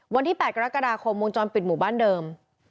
วันที่๘กรกฎาคมวงจรปิดหมู่บ้านเดิม